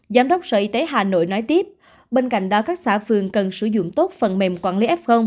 giám đốc sở y tế hà nội nói tiếp bên cạnh đó các xã phường cần sử dụng tốt phần mềm quản lý f